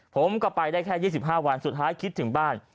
ผมก็ไปได้แค่๒๕วันสุดท้ายคิดถึงบ้าน